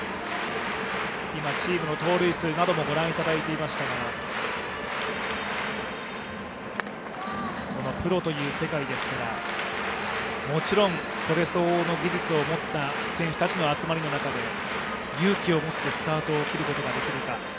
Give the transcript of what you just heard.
今、チームの盗塁数なども御覧いただいていましたが、プロという世界ですからもちろんそれ相応の技術を持った選手たちの集まりの中で勇気を持ってスタートを切ることができるか。